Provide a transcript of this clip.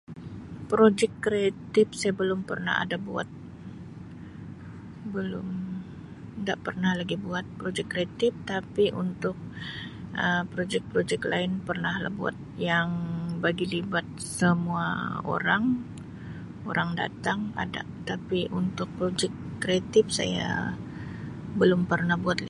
Projek kreatif saya belum pernah ada buat, belum, inda pernah lagi buat projek kreatif tapi untuk Um projek-projek lain pernah lah buat, yang bagi libat semua orang, orang datang ada tapi untuk projek kreatif saya belum pernah buat lagi.